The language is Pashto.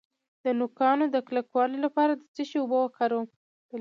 د نوکانو د کلکوالي لپاره د څه شي اوبه وکاروم؟